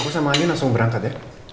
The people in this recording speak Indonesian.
aku sama aja langsung berangkat ya